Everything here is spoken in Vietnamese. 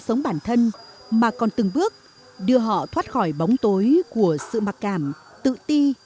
sống bản thân mà còn từng bước đưa họ thoát khỏi bóng tối của sự mặc cảm tự ti